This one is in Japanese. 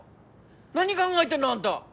何考えてんのあんた！